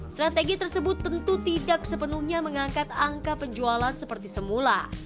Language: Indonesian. strategi tersebut tentu tidak sepenuhnya mengangkat angka penjualan seperti semula